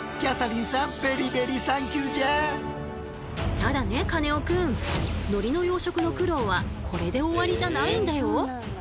ただねカネオくん海苔の養殖の苦労はこれで終わりじゃないんだよ。